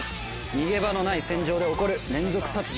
逃げ場のない船上で起こる連続殺人。